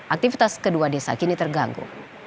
aktivitas kedua desa kini terganggu